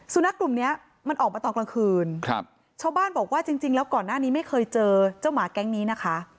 สุนัขกลุ่มเนี้ยมันออกมาตอนกลางคืนครับชาวบ้านบอกว่าจริงแล้วก่อนหน้านี้ไม่เคยเจอเจ้าหมาแก๊งนี้นะคะ